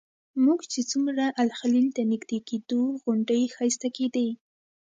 موږ چې څومره الخلیل ته نږدې کېدو غونډۍ ښایسته کېدې.